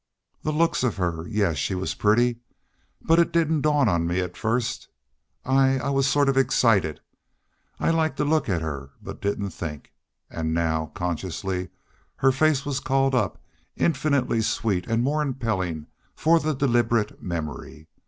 "The looks of her. Yes, she was pretty. But it didn't dawn on me at first. I I was sort of excited. I liked to look at her, but didn't think." And now consciously her face was called up, infinitely sweet and more impelling for the deliberate memory.